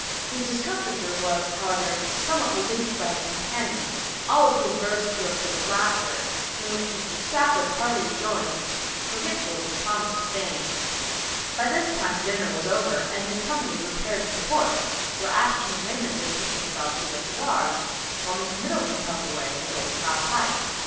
His discomfiture was, however, somewhat relieved by his companions, all of whom burst into a fit of laughter, in which Mr. Stafford heartily joined, forgetful of his promise to Fanny. By this time dinner was over and the company repaired to the porch, where Ashton and Raymond betook themselves to their cigars, while Mr. Middleton puffed away at his old cob pipe.